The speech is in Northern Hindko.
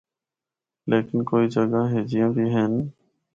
لیکن کوئی جگہاں ہِجیاں بھی ہن۔